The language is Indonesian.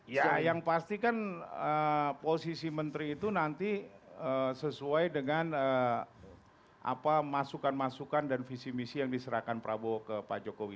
ya yang pasti kan posisi menteri itu nanti sesuai dengan masukan masukan dan visi misi yang diserahkan prabowo ke pak jokowi